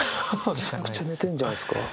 めちゃくちゃ寝てんじゃないんですか。